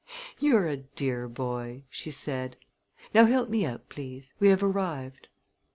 "You're a dear boy!" she said. "Now help me out, please. We have arrived."